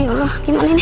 ya allah gimana ini